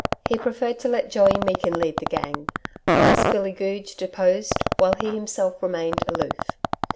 He preferred to let Joey Meakin lead the gang, vice Billy Goodge deposed, while he himself remained aloof.